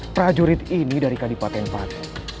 prajurit ini dari kabupaten pati